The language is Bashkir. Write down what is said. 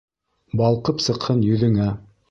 Балҡып сыҡһын йөҙөңә!